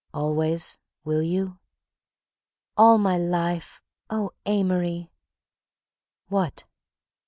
"Always, will you?" "All my life—Oh, Amory—" "What?"